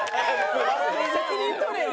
責任取れよ！